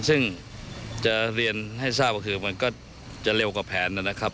ซึ่งจะเรียนให้ทราบก็คือมันก็จะเร็วกว่าแผนนะครับ